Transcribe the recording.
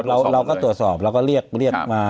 เราก็ตรวจสอบเราก็เรียกมา